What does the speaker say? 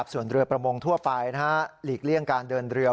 ส่วนเรือประมงทั่วไปหลีกเลี่ยงการเดินเรือ